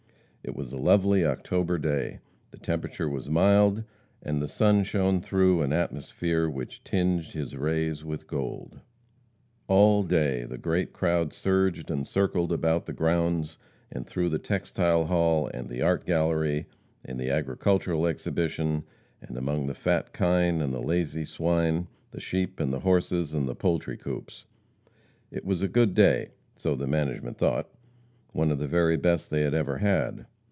It was a lovely October day. The temperature was mild, and the sun shone through an atmosphere which tinged his rays with gold. All day the great crowd surged and circled about the grounds and through the textile hall, and the art gallery, and the agricultural exhibition, and among the fat kine and the lazy swine, the sheep and the horses, and the poultry coops. It was a good day, so the "management" thought, one of the very best they had ever had.